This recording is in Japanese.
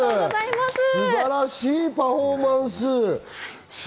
素晴らしいパフォーマンス。